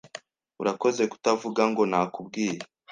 Urakoze kutavuga ngo "Nakubwiye."